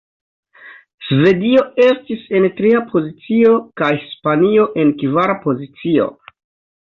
Svedio estis en tria pozicio, kaj Hispanio en kvara pozicio.